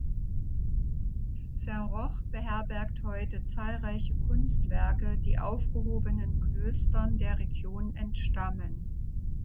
Saint-Roch beherbergt heute zahlreiche Kunstwerke, die aufgehobenen Klöstern der Region entstammen.